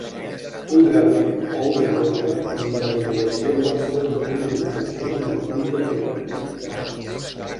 Un gràfic o una corba de valoració mostra un punt d'inflexió en el punt d'equivalència.